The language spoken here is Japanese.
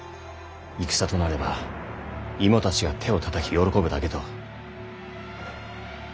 「戦となれば芋たちが手をたたき喜ぶだけ」と。